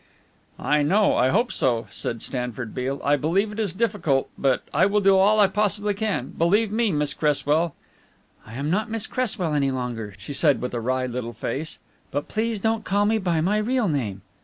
"I know, I hope so," said Stanford Beale. "I believe it is difficult, but I will do all I possibly can. Believe me, Miss Cresswell " "I am not Miss Cresswell any longer," she said with a wry little face, "but please don't call me by my real name."